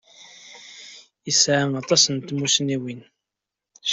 Yesɛa aṭas n tmussniwin.